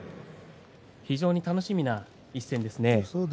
非常に楽しみな一戦ですね。